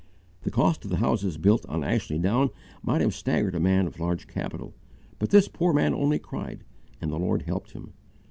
The cost of the houses built on Ashley Down might have staggered a man of large capital, but this poor man only cried and the Lord helped him.